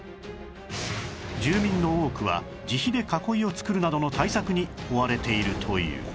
住民の多くは自費で囲いを作るなどの対策に追われているという